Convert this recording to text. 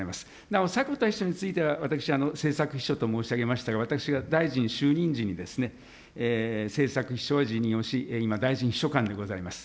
なお、迫田秘書については、私、政策秘書と申し上げましたが、私が大臣就任時に政策秘書は辞任をし、今、大臣秘書官でございます。